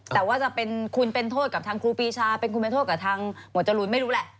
แต่ว่าจะเป็นคุณเป็นโทษกับทางครูปีชาเป็นคุณเป็นโทษกับทางหมวดจรูนไม่รู้แหละ